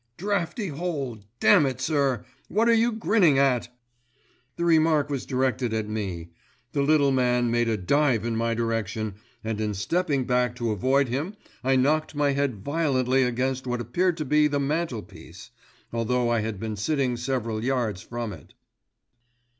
"Draughty hole—damn it, sir, what are you grinning at?" The remark was directed at me. The little man made a dive in my direction, and in stepping back to avoid him I knocked my head violently against what appeared to be the mantel piece, although I had been sitting several yards from it.